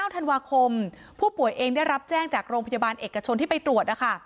๙ธันวาคมผู้ป่วยเองได้รับแจ้งจากโรงพยาบาลเอกชนที่ไปตรวจนะคะ